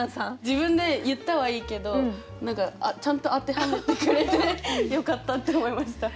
自分で言ったはいいけどちゃんと当てはめてくれてよかったって思いました。